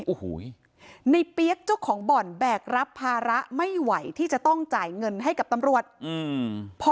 โอ้โหในเปี๊ยกเจ้าของบ่อนแบกรับภาระไม่ไหวที่จะต้องจ่ายเงินให้กับตำรวจอืม